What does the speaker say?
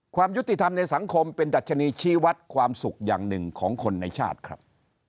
ความยุติธรรมในสังคมเป็นดัชนีชี้วัดความสุขอย่างหนึ่งของคนในชาติครับ